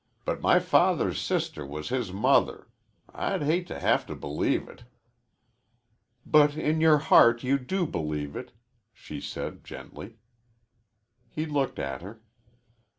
But my father's sister was his mother. I'd hate to have to believe it." "But in your heart you do believe it," she said gently. He looked at her.